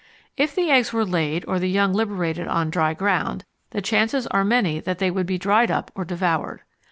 If the eggs were laid or the young liberated on dry ground, the chances are many that they would be dried up or devoured.